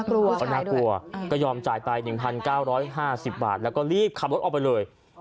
น่ากลัวก็ยอมจ่ายไป๑๙๕๐บาทแล้วก็รีบขับรถออกไปเลย